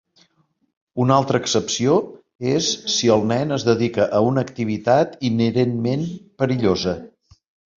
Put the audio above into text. Una altra excepció és si el nen es dedica a una activitat inherentment perillosa.